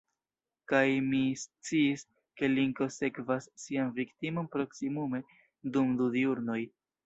Kaj mi sciis, ke linko sekvas sian viktimon proksimume dum du diurnoj.